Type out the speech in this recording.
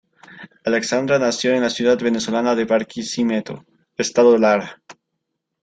Alexandra nació en la ciudad venezolana de Barquisimeto, estado Lara.